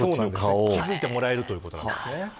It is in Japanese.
気付いてもらえるということなんですね。